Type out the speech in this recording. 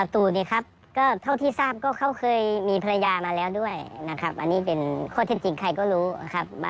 เท่าที่ทราบก็เขาเคยมีภรรยามาแล้วด้วยนะครับอันนี้เป็นข้อเท็จจริงใครก็รู้นะครับ